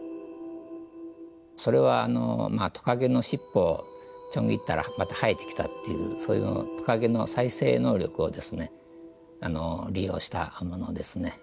それはまあトカゲの尻尾をちょん切ったらまた生えてきたっていうそういうのをトカゲの再生能力をですね利用したものですね。